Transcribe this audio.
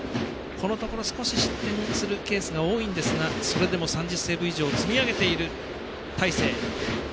このところ少し失点するケースが多いんですがそれでも３０セーブ以上積み上げている、大勢。